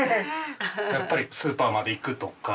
やっぱりスーパーまで行くとか。